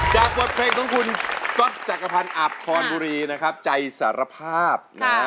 บทเพลงของคุณก๊อตจักรพันธ์อับพรบุรีนะครับใจสารภาพนะฮะ